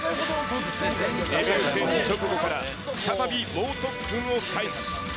デビュー戦直後から、再び猛特訓を開始。